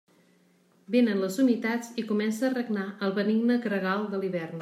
Vénen les humitats i comença a regnar el benigne gregal de l'hivern.